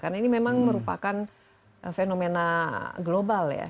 karena ini memang merupakan fenomena global ya